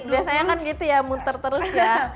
biasanya kan gitu ya muter terus ya